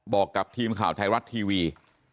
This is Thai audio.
บอกกับทีมข่าวไทยรัฐทีวี